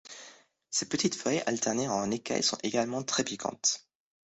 Ses petites feuilles alternées en écailles sont également très piquantes.